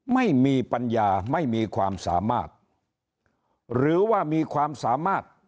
ไม่มีปัญญาไม่มีความสามารถหรือว่ามีความสามารถ